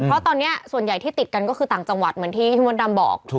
เพราะตอนนี้ส่วนใหญ่ที่ติดกันก็คือต่างจังหวัดเหมือนที่พี่มดดำบอก